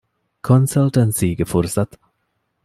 ކޮންސަލްޓަންސީގެ ފުރުސަތު